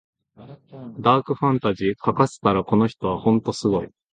ダークファンタジー書かせたらこの人はほんとすごい